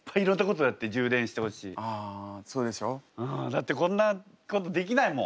うんだってこんなことできないもん。